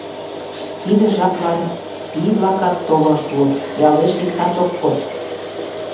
Тиде жаплан пий-влакат толын шуыт, ялеш иктат ок код.